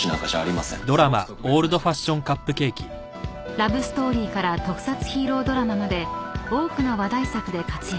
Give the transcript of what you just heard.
［ラブストーリーから特撮ヒーロードラマまで多くの話題作で活躍］